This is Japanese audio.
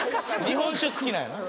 日本酒好きなんやな。